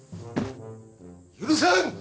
許さん！